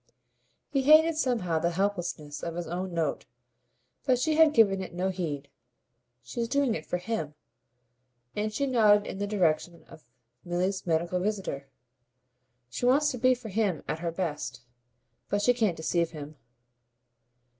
He hated somehow the helplessness of his own note; but she had given it no heed. "She's doing it for HIM" and she nodded in the direction of Milly's medical visitor. "She wants to be for him at her best. But she can't deceive him."